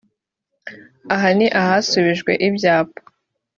Aha ni ahasubijwe ibyapa